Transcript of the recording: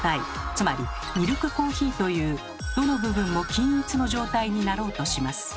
つまりミルクコーヒーというどの部分も均一の状態になろうとします。